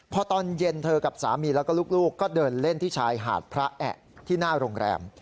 พอตอนเย็นเธอกับสามีแล้วก็ลูกก็เดินเล่นที่ชายหาดพระแอะที่หน้าโรงแรม